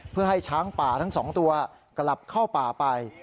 เพื่อให้ช้างป่าทั้งสองตัวกลับเข้าป่าไป